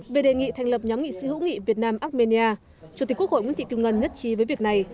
về đề nghị thành lập nhóm nghị sĩ hữu nghị việt nam armenia chủ tịch quốc hội nguyễn thị kim ngân nhất trí với việc này